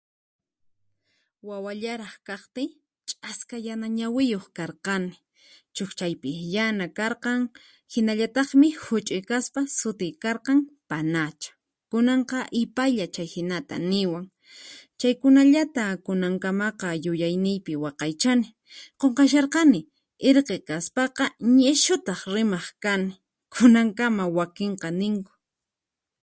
"Wawallaraq kaqtiy ch'aska yana ñawiyuq karqani chuqchaypis yana karkan hinallatakmi huchuy kaspa sutiy karqan ""panacha"" kunanqa ipaylla chayhinata niwan, chaykunallata kunankamaqa yuyayniypi waqaychani. Qunqasharqani! irqi kaspaqa ñishutaq rimaq kani, kunankama wakinqa ninku."